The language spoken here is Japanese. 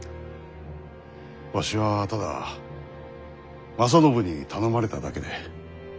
わしはただ正信に頼まれただけで。